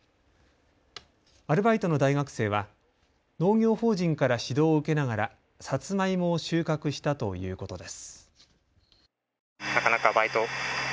アルバイトの大学生は農業法人から指導を受けながらサツマイモを収穫したということです。